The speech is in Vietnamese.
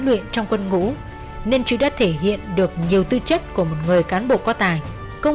luyện trong quân ngũ nên chú đã thể hiện được nhiều tư chất của một người cán bộ có tài công